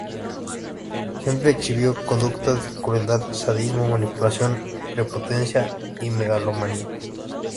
Siempre exhibió conductas de crueldad, sadismo, manipulación, prepotencia y megalomanía.